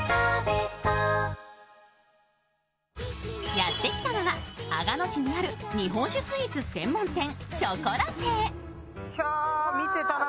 やってきたのは阿賀野市にある日本酒スイーツ専門店しょこら亭。